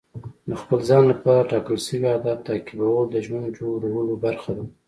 د خپل ځان لپاره ټاکل شوي اهداف تعقیبول د ژوند جوړولو برخه ده.